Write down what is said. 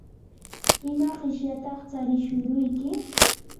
¿ima qishyataq charishuruyki?